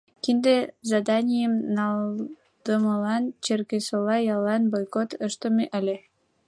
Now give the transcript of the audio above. Кинде заданийым налдымылан Черкесола яллан бойкот ыштыме ыле.